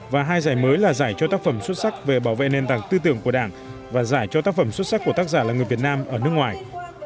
và hai giải mới là giải cho tác phẩm xuất sắc về bảo vệ nền tảng tư tưởng của đảng và giải cho tác phẩm xuất sắc của tác giả là người việt nam ở nước ngoài